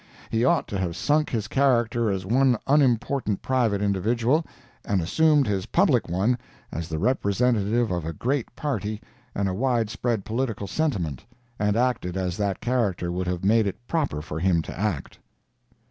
He ought to have sunk his character as one unimportant private individual, and assumed his public one as the representative of a great party and a wide spread political sentiment, and acted as that character would have made it proper for him to act.